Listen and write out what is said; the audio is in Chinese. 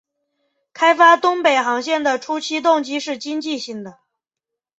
开发东北航线的初期动机是经济性的。